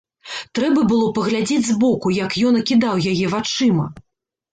Трэба было паглядзець збоку, як ён акідаў яе вачыма!